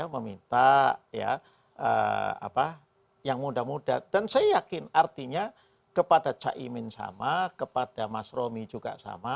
meminta yang muda muda dan saya yakin artinya kepada cak imin sama kepada mas romi juga sama